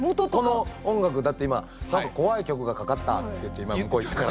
この音楽だって今何か「怖い曲がかかった」って言って今向こう行ったからね。